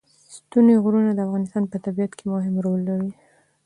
ستوني غرونه د افغانستان په طبیعت کې مهم رول لري.